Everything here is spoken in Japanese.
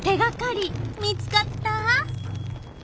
手がかり見つかった？